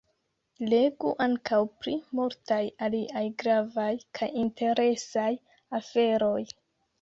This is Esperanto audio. Legu ankaŭ pri multaj aliaj gravaj kaj interesaj aferoj!